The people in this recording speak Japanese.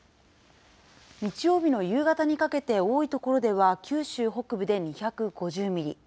日曜日の夕方にかけて、多い所では、九州北部で２５０ミリ。